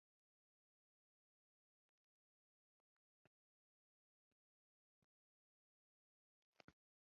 Onamiz kaftini peshonasi soyabonlab qarashini qo‘ymadi.